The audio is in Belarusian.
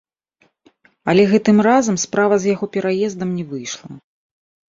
Але гэтым разам справа з яго пераездам не выйшла.